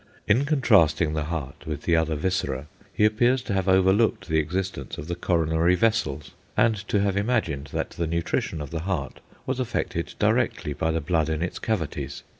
In contrasting the heart with the other viscera he appears to have overlooked the existence of the coronary vessels, and to have imagined that the nutrition of the heart was effected directly by the blood in its cavities.